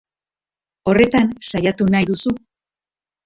Horretan saiatu nahi duzu?